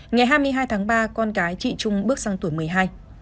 ngày hai mươi hai tháng ba con gái chị trung bước sang tuổi một mươi hai